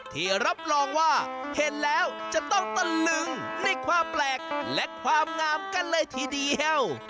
ที่รับรองว่าเห็นแล้วจะต้องตะลึงในความแปลกและความงามกันเลยทีเดียว